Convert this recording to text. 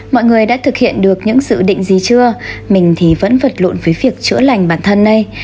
mọi người đã thực hiện được những sự định gì chưa mình thì vẫn vật lộn với việc chữa lành bản thân đây